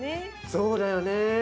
そうだよね。